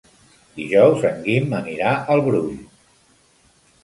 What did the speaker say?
Dijous en Guim anirà al Brull.